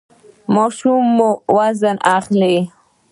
ماشوم مو وزن اخلي؟